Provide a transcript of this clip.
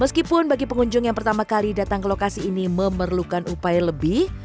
meskipun bagi pengunjung yang pertama kali datang ke lokasi ini memerlukan upaya lebih